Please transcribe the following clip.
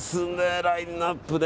ラインアップね。